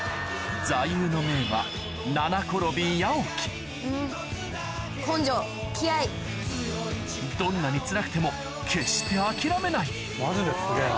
座右の銘はどんなにつらくても決してマジですげぇな。